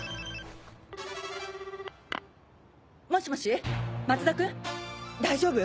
もしもし松田君大丈夫？